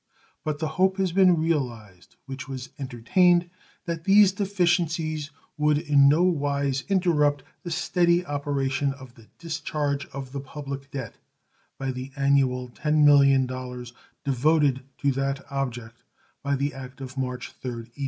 But the hope has been realized which was entertained, that these deficiencies would in no wise interrupt the steady operation of the discharge of the public debt by the annual $10,000,000 devoted to that object by the act of March 3d, 1817.